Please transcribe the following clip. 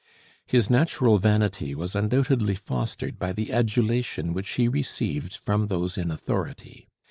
His natural vanity was undoubtedly fostered by the adulation which he received from those in authority.